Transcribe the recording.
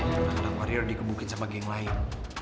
kadang kadang warrior dikebukit sama geng lain